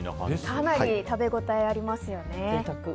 かなり食べ応えありますよね。